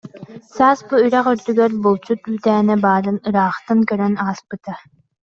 Саас бу үрэх үрдүгэр булчут үүтээнэ баарын ыраахтан көрөн ааспыта